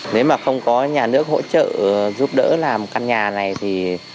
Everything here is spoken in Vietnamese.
nếu mà không có nhà nước hỗ trợ giúp đỡ làm căn nhà này thì